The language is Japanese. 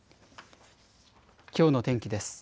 きょうの天気です。